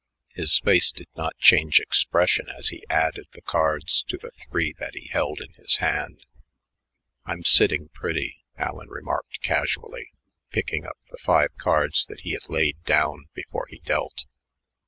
His face did not change expression as he added the cards to the three that he held in his hand. "I'm sitting pretty," Allen remarked casually, picking up the five cards that he had laid down before he dealt.